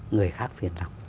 người khác phiền lòng